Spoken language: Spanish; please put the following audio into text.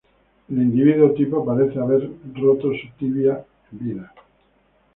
El individuo tipo parece haber roto su tibia en vida.